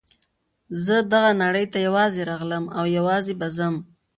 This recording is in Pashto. زه دغه نړۍ ته یوازې راغلم او یوازې به ځم.